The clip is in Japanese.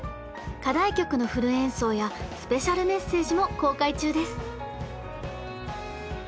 課題曲のフル演奏やスペシャルメッセージも公開中です！